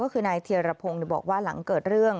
ก็คือนายเทียรพงศ์บอกว่าหลังเกิดเรื่อง